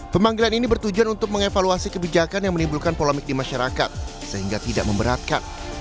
pemanggilan ini bertujuan untuk mengevaluasi kebijakan yang menimbulkan polemik di masyarakat sehingga tidak memberatkan